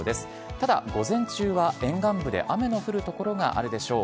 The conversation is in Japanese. ただ午前中は沿岸部で雨の降る所があるでしょう。